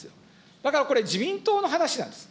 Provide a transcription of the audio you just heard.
だからこれ、自民党の話なんです。